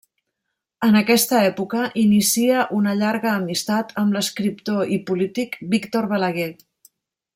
En aquesta època inicia una llarga amistat amb l’escriptor i polític Víctor Balaguer.